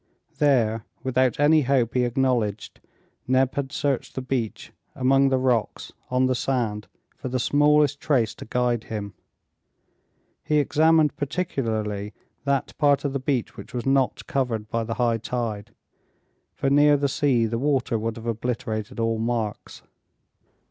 There, without any hope he acknowledged, Neb had searched the beach, among the rocks, on the sand, for the smallest trace to guide him. He examined particularly that part of the beach which was not covered by the high tide, for near the sea the water would have obliterated all marks.